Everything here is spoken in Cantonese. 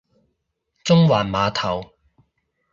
中環碼頭